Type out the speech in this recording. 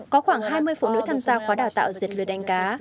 có khoảng hai mươi phụ nữ tham gia khóa đào tạo diệt lừa đánh cá